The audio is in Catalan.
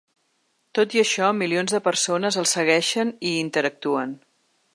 Tot i això, milions de persones el segueixen i hi interactuen.